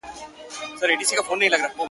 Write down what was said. بس دعوه یې بې له شرطه و ګټله،